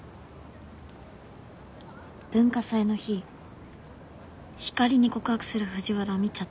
文化祭の日ひかりに告白する藤原見ちゃって。